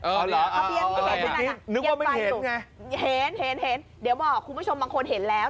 เอ้อเหรอเอ้อเดี๋ยวพี่นึกว่าไม่เห็นไงเห็นเดี๋ยวบอกคุณผู้ชมบางคนเห็นแล้ว